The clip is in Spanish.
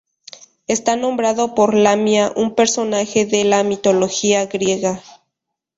Está nombrado por Lamia, un personaje de la mitología griega.